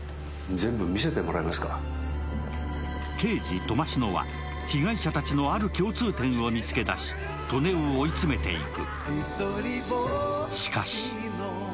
刑事・笘篠は被害者たちのある共通点を見つけだし、利根を追い詰めていく。